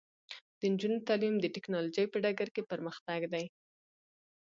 د نجونو تعلیم د ټیکنالوژۍ په ډګر کې پرمختګ دی.